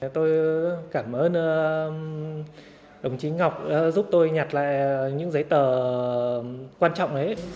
tôi cảm ơn đồng chí ngọc giúp tôi nhặt lại những giấy tờ quan trọng đấy